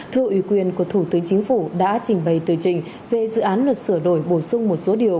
thưa ủy quyền của thủ tướng chính phủ đã trình bày tờ trình về dự án luật sửa đổi bổ sung một số điều